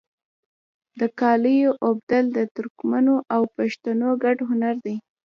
د قالیو اوبدل د ترکمنو او پښتنو ګډ هنر دی.